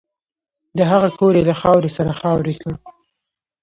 د هغه کور یې له خاورو سره خاورې کړ